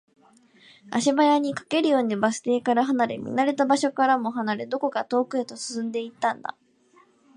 足早に、駆けるようにバス停から離れ、見慣れた場所からも離れ、どこか遠くへと進んでいったんだ